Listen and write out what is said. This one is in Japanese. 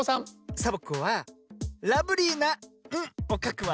サボ子はラブリーな「ん」をかくわ。